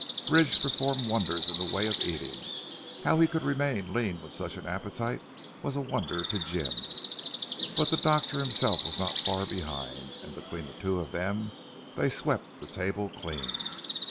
Bridge performed wonders in the way of eating. How he could remain lean with such an appetite, was a wonder to Jim. But the doctor himself was not far behind, and between the two of them, they swept the table clean.